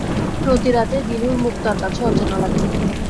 প্রতি রাতেই দিনুর মুখ তার কাছে অচেনা লাগে।